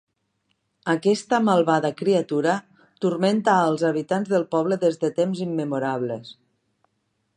Aquesta malvada criatura turmenta als habitants del poble des de temps immemorables.